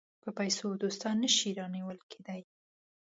په پیسو دوستان نه شي رانیول کېدای.